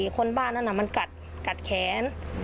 คนบ้านนั้นมันกัดแขน